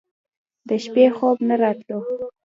د شپې خوب نه راتلو.